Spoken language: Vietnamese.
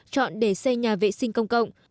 chọn để xây nhà vệ sinh công cộng